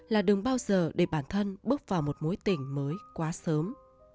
là đừng bao giờ để bản thân bước vào một mối tình mới quá sớm